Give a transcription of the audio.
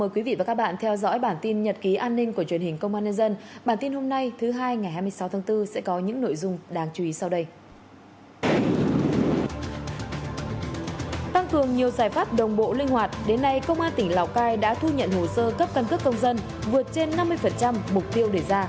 các bạn hãy đăng ký kênh để ủng hộ kênh của chúng mình nhé